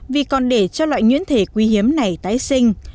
vì còn để cho loại nhuyễn thể quý hiếm này tái sinh